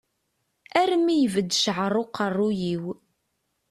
Armi ibedd ccεer uqerru-iw.